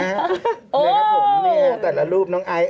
เนี่ยครับผมแต่ละรูปน้องไอต์